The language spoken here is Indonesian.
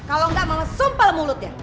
kalau enggak mama sumpel mulutnya